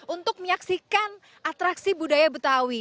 untuk menyaksikan atraksi budaya betawi